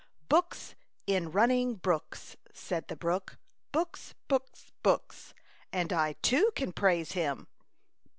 Books in running brooks," said the brook. " Books, books, books. And I too can praise Him."